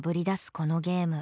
このゲーム。